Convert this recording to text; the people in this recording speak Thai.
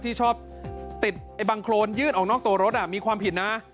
ที่ชอบติดบังโครนยื่นออกนอกตัวรถมีความผิดนะ